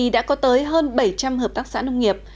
đã có tới hơn bảy trăm linh hợp tác xã nông nghiệp